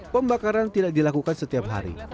pembakaran tidak dilakukan setiap hari